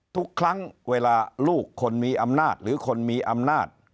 ทุกครั้งเวลาลูกคนมีอำนาจหรือคนมีอำนาจ